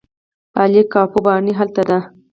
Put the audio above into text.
عالي قاپو ماڼۍ هلته ده.